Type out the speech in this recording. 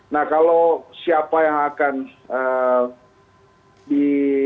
nah kalau siapa yang akan di